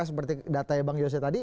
seperti datanya bang yose tadi